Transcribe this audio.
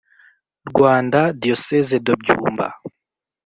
Rwanda Diocese de Byumba